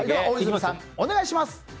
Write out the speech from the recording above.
お願いします。